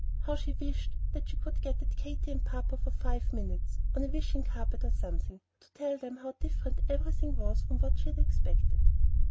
How she wished that she could get at Katy and papa for five minutes on a wishing carpet or something to tell them how different everything was from what she had expected.